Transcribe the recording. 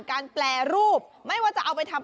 แปรรูปไม่ว่าจะเอาไปทำ